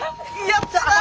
やったな！